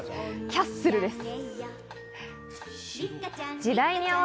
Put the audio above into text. キャッスルです。